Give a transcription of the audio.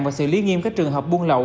và xử lý nghiêm các trường hợp buôn lậu